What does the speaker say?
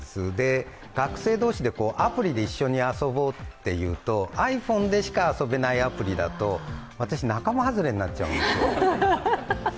学生同士でアプリで一緒に遊ぼうというと、ｉＰｈｏｎｅでしか遊べないアプリだと私、仲間外れになっちゃうんですよ